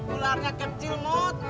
ularnya kecil ngot